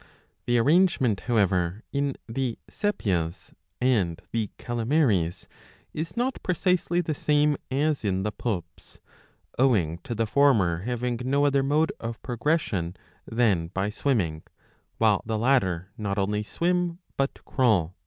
The arrangement, however, in the Sepias and the Calamaries is not precisely the same as in the Poulps, owing to the former having no other mode of progression than by swimming, while the latter not only swim but crawl.